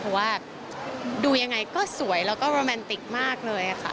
เพราะว่าดูยังไงก็สวยแล้วก็โรแมนติกมากเลยค่ะ